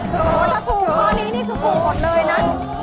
โหถ้าถูกข้อนี้นี่คือถูกหมดเลยนะ